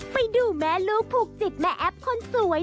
ไปดูแม่ลูกผูกจิตแม่แอ๊บคนสวย